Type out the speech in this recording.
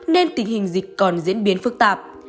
nên tình hình dịch còn diễn biến phức tạp